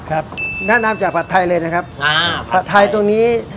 ครับแนะนำจากผัดไทยเลยนะครับอ่าผัดไทยตรงนี้